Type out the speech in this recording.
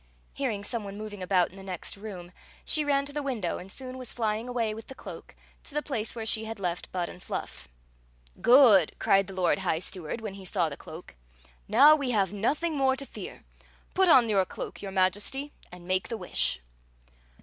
Hearing some one moving about in the next room, she ran to the window and soon was flying away with the cloak to the place where she had left Bud and Fluff. "Good!" cried the lord high stewar4 when he saw the cloak. " Now we have nothing more to fear. Put on your cloak, your Majesty, and make the wish."